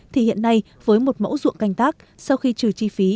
thì hiện nay với một mẫu ruộng canh tác sau khi trừ chi phí